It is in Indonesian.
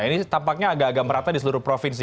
ini tampaknya agak agak merata di seluruh provinsi